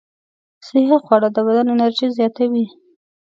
صحي خواړه د بدن انرژي زیاتوي.